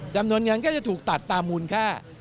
จำนวนเงินก็จะถูกตัดตามมูลค่า